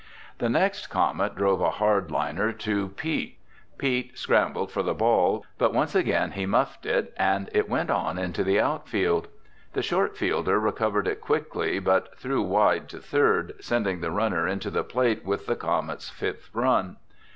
The next Comet drove a hard liner to Pete. Pete scrambled for the ball, but once again he muffed it and it went on into the outfield. The shortfielder recovered it quickly but threw wide to third, sending the runner into the plate with the Comets' fifth run.